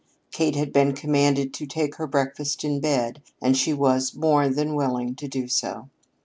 Kate had been commanded to take her breakfast in bed and she was more than willing to do so.